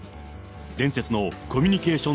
伝説のコミュニケーション